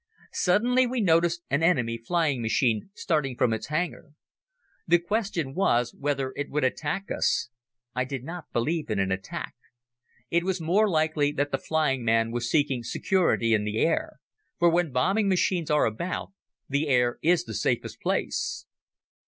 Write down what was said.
Suddenly we noticed an enemy flying machine starting from its hangar. The question was whether it would attack us. I did not believe in an attack. It was more likely that the flying man was seeking security in the air, for when bombing machines are about, the air is the safest place.